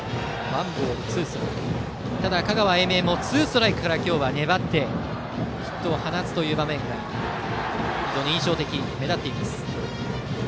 香川・英明もツーストライクから今日は粘ってヒットを放つ場面が非常に印象的、目立っています。